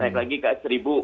naik lagi ke rp satu triliun